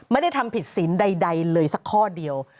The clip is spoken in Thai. ไม่ได้ทำผิดศีลใดเลยสักข้อเดียว